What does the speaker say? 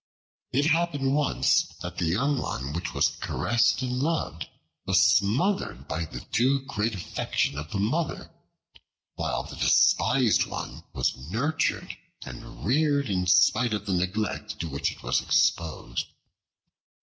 It happened once that the young one which was caressed and loved was smothered by the too great affection of the Mother, while the despised one was nurtured and reared in spite of the neglect to which it was exposed.